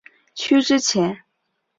区之前。